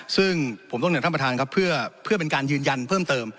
ซึ่งผมต้องเรียนท่านประธานครับเพื่อเป็นการยืนยันเพิ่มเติม